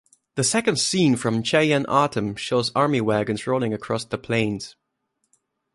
The second scene from "Cheyenne Autumn" shows army wagons rolling across the plains.